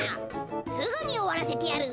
すぐにおわらせてやる。